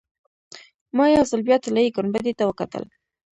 ما یو ځل بیا طلایي ګنبدې ته وکتل.